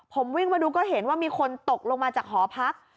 ผมวิ่งมาดูก็เห็นว่ามีคนตกลงมาจากหอพัก